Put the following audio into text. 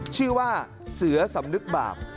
ชื่อว่าเสือสำนึกบาป